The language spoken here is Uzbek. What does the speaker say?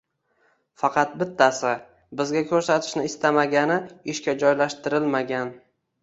Faqat bittasi, bizga ko`rsatishni istamagani ishga joylashtirilmagan